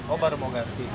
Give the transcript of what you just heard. oh baru mau ganti